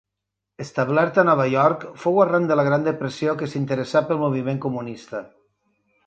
Establert a Nova York, fou arran de la Gran Depressió que s’interessà pel moviment comunista.